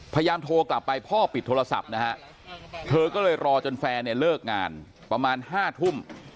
พยายามโทรกลับไปพ่อปิดโทรศัพท์นะฮะเธอก็เลยรอจนแฟนเนี่ยเลิกงานประมาณ๕ทุ่ม